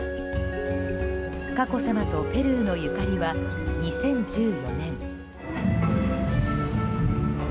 佳子さまとペルーのゆかりは２０１４年。